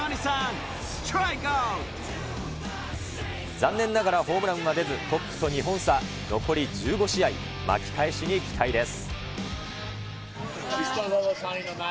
残念ながらホームランは出ず、トップと２本差、残り１５試合、巻き返しに期待です。